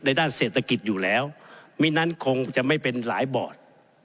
ด้านเศรษฐกิจอยู่แล้วไม่นั้นคงจะไม่เป็นหลายบอร์ด